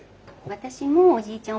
私もおじいちゃん